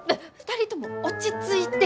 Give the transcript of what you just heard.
２人とも落ち着いて。